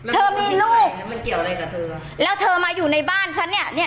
เธอมีลูกมันเกี่ยวอะไรกับเธอแล้วเธอมาอยู่ในบ้านฉันเนี่ยเนี่ย